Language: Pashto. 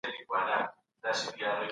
د کار ځواک کمزورتیا د صنعت پرمختګ ورو کوي.